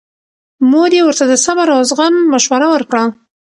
مور یې ورته د صبر او زغم مشوره ورکړه.